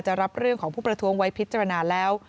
รับเรื่องของผู้ประท้วงไว้พิจารณาแล้ว